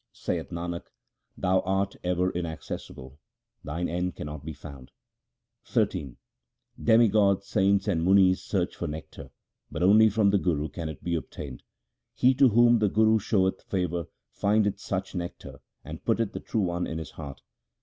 Saith Nanak, Thou art ever inaccessible ; Thine end cannot be found. XIII Demigods, saints, and munis search for nectar, 1 but only from the Guru can it be obtained ; He to whom the Guru showeth favour findeth such nectar, and putteth the True One in his heart.